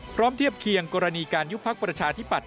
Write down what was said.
เทียบเคียงกรณีการยุบพักประชาธิปัตย